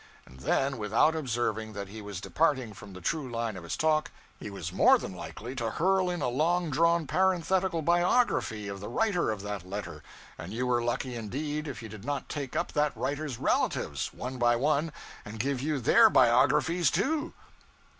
And then without observing that he was departing from the true line of his talk, he was more than likely to hurl in a long drawn parenthetical biography of the writer of that letter; and you were lucky indeed if he did not take up that writer's relatives, one by one, and give you their biographies, too.